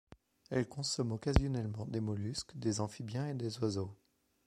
Elle consomme occasionnellement des mollusques, des amphibiens et des oiseaux.